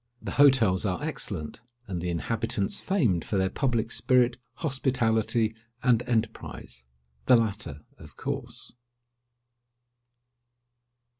The hotels are excellent, and the inhabitants famed for their public spirit, hospitality, and enterprise—the latter, of course.